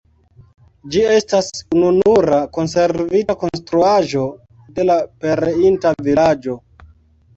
Ĝi estas ununura konservita konstruaĵo de la pereinta vilaĝo.